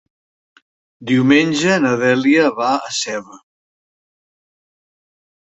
Diumenge na Dèlia va a Seva.